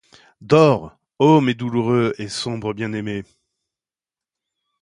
Dors! — Ô mes douloureux et sombres bien-aimés !